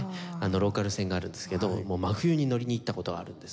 ローカル線があるんですけど真冬に乗りに行った事があるんです。